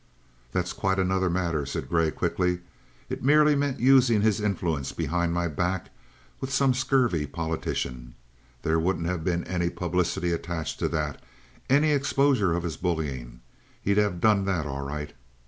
"That's quite another matter," said Grey quickly. "It merely meant using his influence behind my back with some scurvy politician. There wouldn't have been any publicity attached to that, any exposure of his bullying. He'd have done that all right."